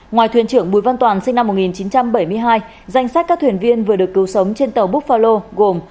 ngoài thuyền trưởng bùi văn toàn sinh năm một nghìn chín trăm bảy mươi hai danh sách các thuyền viên vừa được cứu sống trên tàu bookhalo gồm